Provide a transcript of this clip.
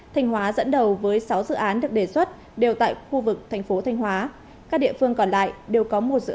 thành hóa dẫn đầu với sáu dự án được đề xuất đều tại khu vực thành phố thành hóa các địa phương còn lại đều có một dự án được đề xuất